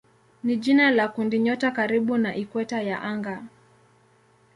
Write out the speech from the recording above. ni jina la kundinyota karibu na ikweta ya anga.